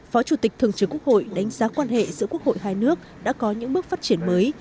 phó chủ tịch thường trực quốc hội đánh giá quan hệ giữa quốc hội hai nước đã có những bước phát triển mới